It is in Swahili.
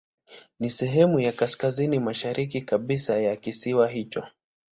Ni sehemu ya kaskazini mashariki kabisa ya kisiwa hicho.